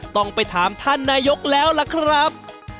ต้องไปถามท่านนายกแล้วล่ะครับ